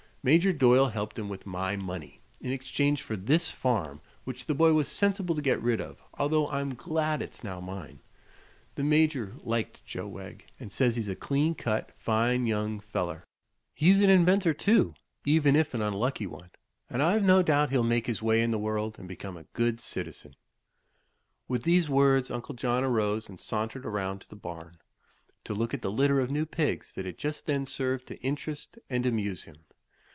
Major Doyle helped him with my money, in exchange for this farm, which the boy was sensible to get rid of although I'm glad it's now mine. The Major liked Joe Wegg, and says he's a clean cut, fine young feller. He's an inventor, too, even if an unlucky one, and I've no doubt he'll make his way in the world and become a good citizen." With these words Uncle John arose and sauntered around to the barn, to look at the litter of new pigs that just then served to interest and amuse him.